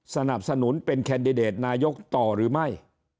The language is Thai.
สนับสนุนเป็นแคนดิเดตนายกต่อหรือไม่